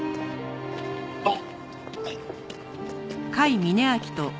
あっ。